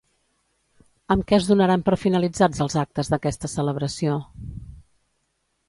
Amb què es donaran per finalitzats els actes d'aquesta celebració?